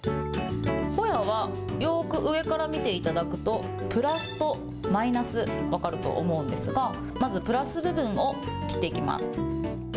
ほやはよーく上から見ていただくと、プラスとマイナス、分かると思うんですが、まずプラス部分を切っていきます。